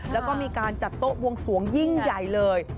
แล้วก็มีการจัดโต๊ะบวงสวงยิ่งใหญ่เลย